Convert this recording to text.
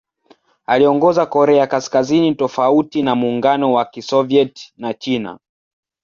Aliongoza Korea Kaskazini tofauti na Muungano wa Kisovyeti na China.